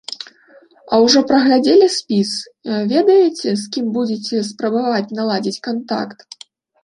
А ўжо праглядзелі спіс, ведаеце, з кім будзеце спрабаваць наладзіць кантакт?